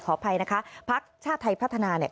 อภัยนะคะพักชาติไทยพัฒนาเนี่ย